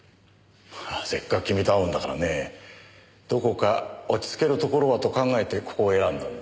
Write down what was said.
せっかく君と会うんだからねどこか落ち着けるところはと考えてここを選んだんだ。